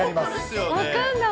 分かんない。